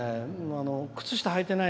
靴下はいてない